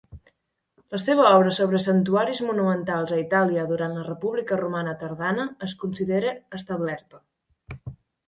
La seva obra sobre santuaris monumentals a Itàlia durant la República Romana tardana es considera establerta.